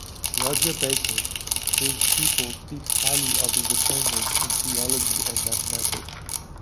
Roger Bacon, his pupil, speaks highly of his attainments in theology and mathematics.